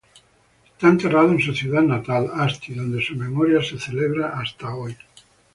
Está enterrado en su ciudad natal, Asti, donde su memoria se celebra hasta hoy.